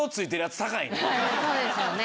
そうですよね。